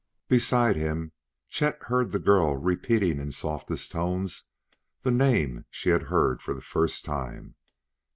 Beside him Chet heard the girl repeating in softest tones the name she had heard for the first time.